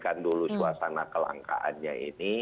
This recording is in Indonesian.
kita mencoba mengembalikan dulu suasana kelangkaannya ini